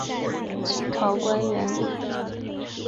清朝官员。